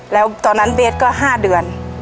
แล้วตอนนั้นเบสก็๕เดือน